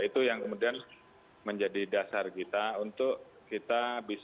itu yang kemudian menjadi dasar kita untuk kita bisa